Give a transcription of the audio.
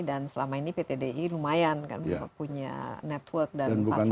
dan selama ini pt di lumayan punya network dan pasar yang cukup bagus